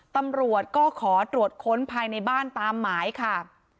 ตำรวจก็ขอตรวจค้นภายในบ้านตามหมายค่ะ